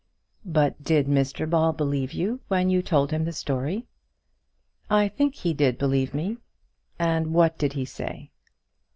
"But did Mr Ball believe you when you told him the story?" "I think he did believe me." "And what did he say?"